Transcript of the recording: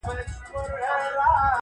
• ته به نسې سړی زما د سترګو توره,